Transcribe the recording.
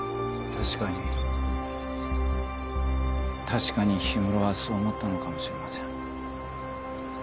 確かに確かに氷室はそう思ったのかもしれません。